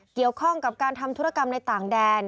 เกี่ยวข้องกับการทำธุรกรรมในต่างแดน